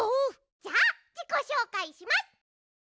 じゃあじこしょうかいします。